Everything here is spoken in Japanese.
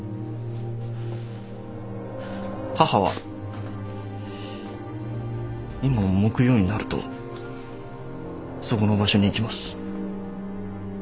母は今も木曜になるとそこの場所に行きます。